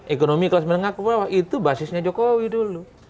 ekonomi kelas menengah ke bawah itu basisnya jokowi dulu